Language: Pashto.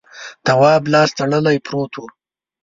تواب لاس تړلی پروت و.